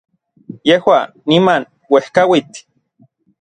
yejua, niman, uejkauitl